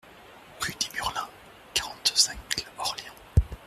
Rue des Murlins, quarante-cinq mille Orléans